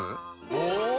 お！